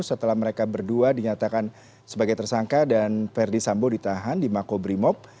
setelah mereka berdua dinyatakan sebagai tersangka dan verdi sambo ditahan di makobrimob